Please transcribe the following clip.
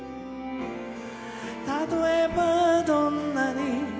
「たとえばどんなに」